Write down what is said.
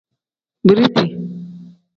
Biriti.